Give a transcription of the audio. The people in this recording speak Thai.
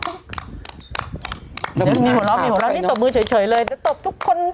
มีหัวล้อเดี๋ยวตบมือเฉยตบทุกคน